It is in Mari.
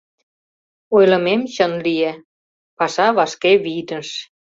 Ойлымем чын лие: паша вашке вийныш.